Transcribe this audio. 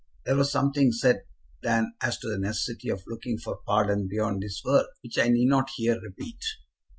There was something said then as to the necessity of looking for pardon beyond this world, which I need not here repeat.